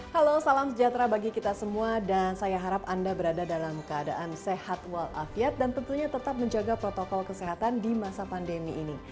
halo salam sejahtera bagi kita semua dan saya harap anda berada dalam keadaan sehat walafiat dan tentunya tetap menjaga protokol kesehatan di masa pandemi ini